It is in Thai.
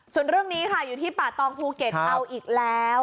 ส่วนเรื่องนี้ค่ะอยู่ที่ป่าตองภูเก็ตเอาอีกแล้ว